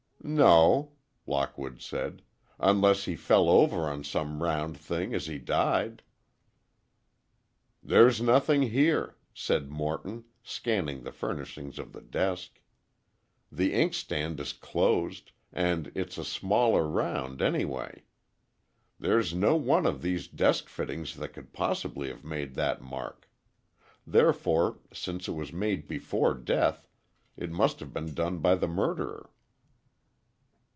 "No," Lockwood said. "Unless he fell over on some round thing as he died." "There's nothing here," said Morton, scanning the furnishings of the desk "The inkstand is closed—and it's a smaller round, anyway. There's no one of these desk fittings that could possibly have made that mark. Therefore, since it was made before death, it must have been done by the murderer."